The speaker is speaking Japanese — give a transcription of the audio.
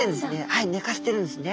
はいねかせてるんですね。